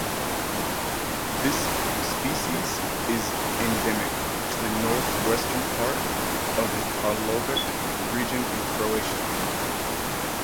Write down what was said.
This species is endemic to the northwestern part of the Karlovac region in Croatia.